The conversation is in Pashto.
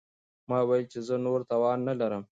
ما وویل چې زه نور توان نه لرم.